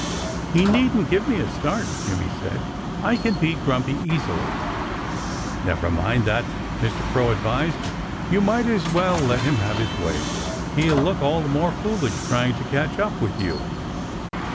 "He needn't give me a start," Jimmy said. "I can beat Grumpy easily." "Never mind that!" Mr. Crow advised. "You might as well let him have his way. He'll look all the more foolish, trying to catch up with you."